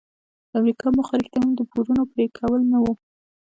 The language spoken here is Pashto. د امریکا موخه رښتیا هم د پورونو پریکول نه وو.